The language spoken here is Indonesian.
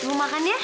eh tunggu makan ya